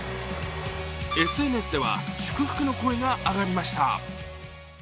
ＳＮＳでは祝福の声が上がりました。